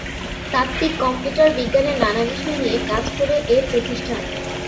তাত্ত্বিক কম্পিউটার বিজ্ঞানের নানা বিষয় নিয়ে কাজ করে এ প্রতিষ্ঠান।